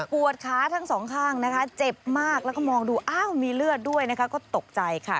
วดขาทั้งสองข้างนะคะเจ็บมากแล้วก็มองดูอ้าวมีเลือดด้วยนะคะก็ตกใจค่ะ